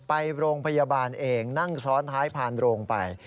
ไปโรงพยาบาลเองนั่งซ้อนท้ายผ่านโรงไป